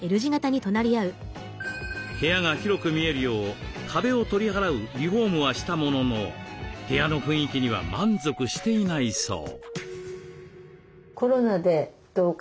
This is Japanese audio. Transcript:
部屋が広く見えるよう壁を取り払うリフォームはしたものの部屋の雰囲気には満足していないそう。